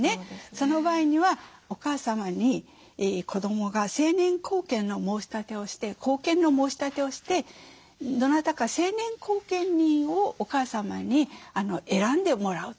その場合にはお母様に子どもが成年後見の申し立てをしてどなたか成年後見人をお母様に選んでもらうと。